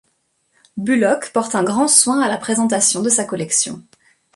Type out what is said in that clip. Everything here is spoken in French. Bullock porte un grand soin à la présentation de sa collection.